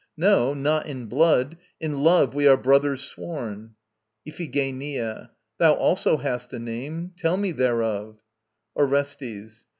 No, not in blood. In love we are brothers sworn. IPHIGENIA. Thou also hast a name: tell me thereof. ORESTES.